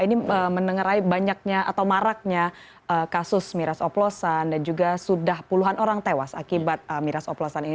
ini menengerai banyaknya atau maraknya kasus miras oplosan dan juga sudah puluhan orang tewas akibat miras oplosan ini